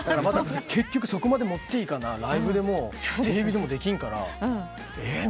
結局そこまで持っていかなライブでもテレビでもできんから「えっ！？」